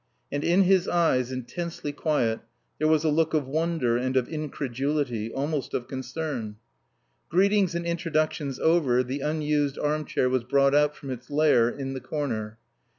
And in his eyes, intensely quiet, there was a look of wonder and of incredulity, almost of concern. Greetings and introductions over, the unused arm chair was brought out from its lair in the corner.